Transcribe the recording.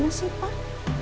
mana sih pak